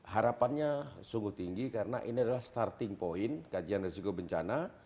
harapannya sungguh tinggi karena ini adalah starting point kajian risiko bencana